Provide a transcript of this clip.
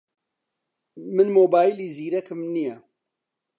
من مۆبایلی زیرەکم نییە.